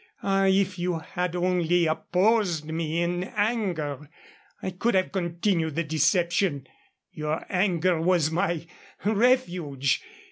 Ah, if you had only opposed me in anger, I could have continued the deception. Your anger was my refuge.